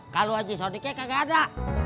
kalau aja soneke kagak ada